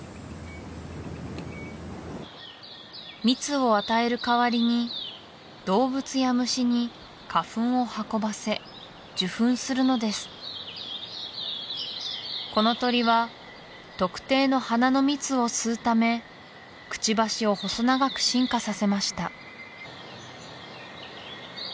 蜜を与えるかわりに動物や虫に花粉を運ばせ受粉するのですこの鳥は特定の花の蜜を吸うためくちばしを細長く進化させました